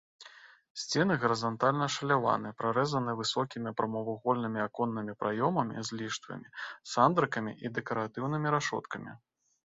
Сцены гарызантальна ашаляваны, прарэзаны высокімі прамавугольнымі аконнымі праёмамі з ліштвамі, сандрыкамі і дэкаратыўнымі рашоткамі.